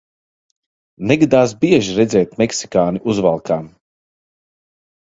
Negadās bieži redzēt meksikāni uzvalkā.